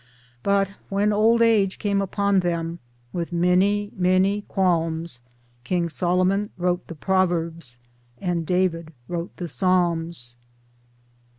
But when old age came on them With many many qualms, King Solomon wrote the Proverbs And David wrote the Psalms.